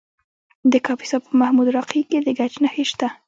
د کاپیسا په محمود راقي کې د ګچ نښې شته.